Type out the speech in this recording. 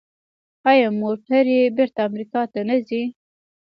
آیا موټرې بیرته امریکا ته نه ځي؟